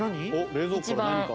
冷蔵庫から何か。